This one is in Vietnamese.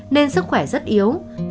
nên sức khỏe rất yếu